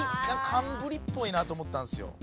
寒ブリっぽいなと思ったんすよ。